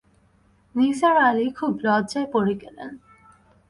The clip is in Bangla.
নিসার আলি খুব লজ্জায় পড়ে গেলেন।